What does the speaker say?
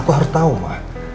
aku harus tau ma